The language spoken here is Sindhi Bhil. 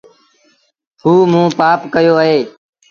هئو موݩ پآپ ڪيو اهي۔